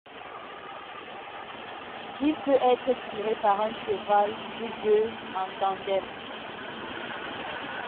Il peut être tiré par un cheval, ou deux en tandem.